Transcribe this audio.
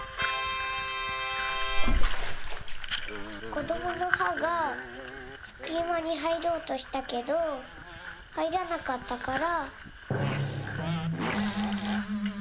こどものはがすきまにはいろうとしたけどはいらなかったから。